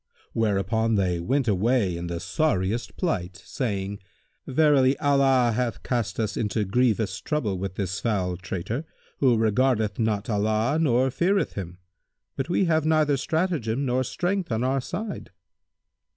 Whereupon they went away in the sorriest plight, saying, "Verily, Allah hath cast us into grievous trouble with this foul traitor, who regardeth not Allah nor feareth Him; but we have neither stratagem nor strength on our side."